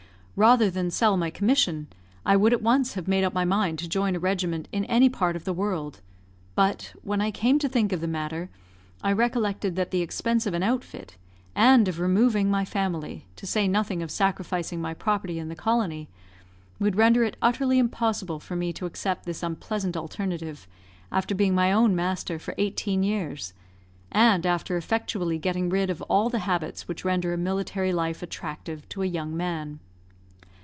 Rather than sell my commission, I would at once have made up my mind to join a regiment in any part of the world; but, when I came to think of the matter, I recollected that the expense of an outfit, and of removing my family to say nothing of sacrificing my property in the colony would render it utterly impossible for me to accept this unpleasant alternative after being my own master for eighteen years, and after effectually getting rid of all the habits which render a military life attractive to a young man.